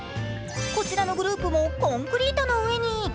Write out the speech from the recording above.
こちらのグループもコンクリートの上に。